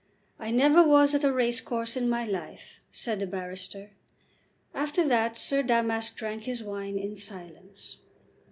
"I never was at a racecourse in my life," said the barrister. After that Sir Damask drank his wine in silence.